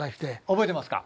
覚えてますか。